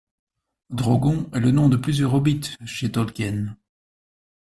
Drogon est le nom de plusieurs Hobbits chez Tolkien.